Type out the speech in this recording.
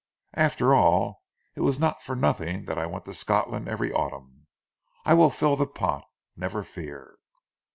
After all it was not for nothing that I went to Scotland every autumn. I will fill the pot, never fear."